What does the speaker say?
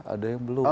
ada yang belum